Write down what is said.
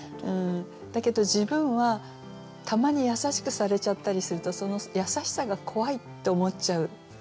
だけど自分はたまに優しくされちゃったりするとその優しさが怖いって思っちゃう人なわけですよね。